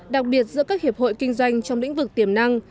đặc biệt giữa các hiệp hội kinh doanh trong lĩnh vực tiềm năng